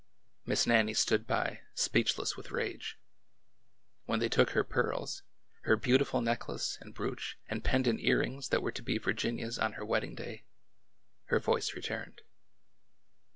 Miss Nannie stood by, speechless with rage. When they took her pearls— her beautiful necklace and brooch and pendant earrings that were to be Virginia's on her wedding day— her voice returned.